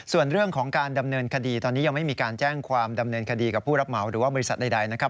ส่วนเรื่องของการดำเนินคดีตอนนี้ยังไม่มีการแจ้งความดำเนินคดีกับผู้รับเหมาหรือว่าบริษัทใดนะครับ